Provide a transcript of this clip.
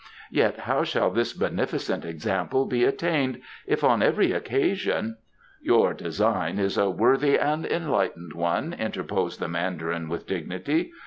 Yet how shall this beneficent example be attained if on every occasion " "Your design is a worthy and enlightened one," interposed the Mandarin, with dignity.